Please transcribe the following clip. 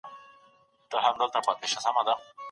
ایا افغان سوداګر وچ توت صادروي؟